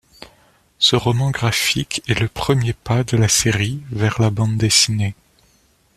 Ce roman graphique est le premier pas de la série vers la bande dessinée.